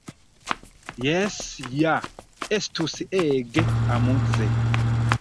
Jes ja! Estus ege amuze!